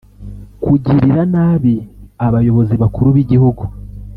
kugirira nabi abayobozi bakuru b’igihugu